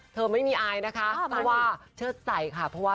เธอไม่มีอายนะคะเพราะว่าเชิดใสค่ะ